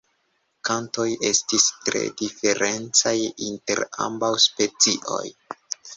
Kantoj estis tre diferencaj inter ambaŭ specioj.